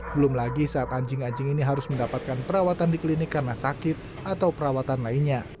belum lagi saat anjing anjing ini harus mendapatkan perawatan di klinik karena sakit atau perawatan lainnya